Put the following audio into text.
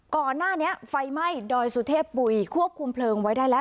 ก่อนหน้านี้ไฟไหม้ดอยสุเทพบุยควบคุมเพลิงไว้ได้แล้ว